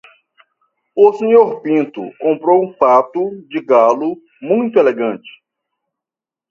O Sr. Pinto comprou um fato de gala muito elegante.